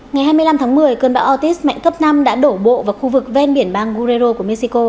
ngày hai mươi năm tháng một mươi cơn bão ortis mạnh cấp năm đã đổ bộ vào khu vực ven biển bang guerrero của mexico